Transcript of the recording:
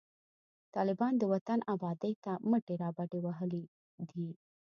طالبان د وطن آبادۍ ته مټي رابډوهلي دي